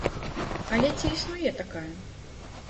Але ці існуе такая?